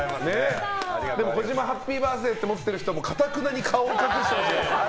児嶋ハッピーバースデーって持ってる人かたくなに顔を隠してますね。